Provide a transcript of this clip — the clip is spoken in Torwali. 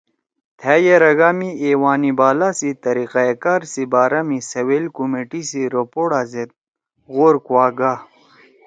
تھأ یرَگا می ایوان بالا سی طریقہ کار سی بارا می سویل کمیٹی سی رپوڑا زید غور کُواگا